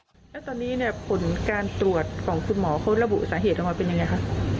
แล้วตอนนี้เนี่ยผลการตรวจของคุณหมอเขาระบุสาเหตุออกมาเป็นยังไงคะ